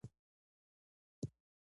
اموفونونه هغه دي، چي یو شان ږغونه لري.